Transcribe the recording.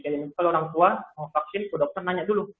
kalau orang tua mau vaksin ke dokter nanya dulu